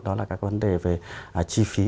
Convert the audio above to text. đó là các vấn đề về chi phí